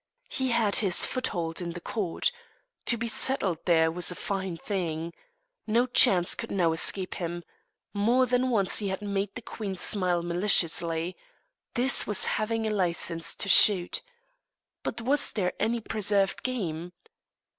He had his foothold in the court. To be settled there was a fine thing. No chance could now escape him. More than once he had made the queen smile maliciously. This was having a licence to shoot. But was there any preserved game?